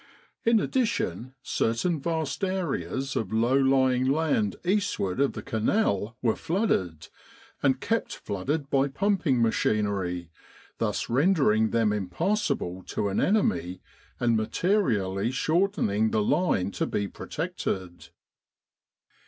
In addition, certain vast areas of low lying land eastward of the Canal were flooded, and kept flooded by pumping machinery, thus render ing them impassable to an enemy and materially shortening the line to be protected.